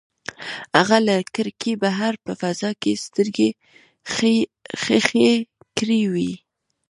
هغه له کړکۍ بهر په فضا کې سترګې ښخې کړې وې.